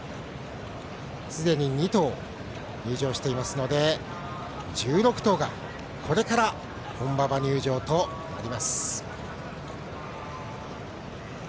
すでに２頭、入場していますので１６頭が、これから本馬場入場となります。